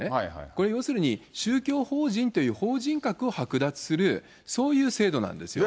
これ要するに宗教法人という法人格を剥奪する、そういう制度なんですよ。